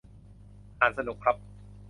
อ่านสนุกครับ